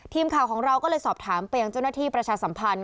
ทีมข่าวของเราก็เลยสอบถามไปยังเจ้าหน้าที่ประชาสัมพันธ์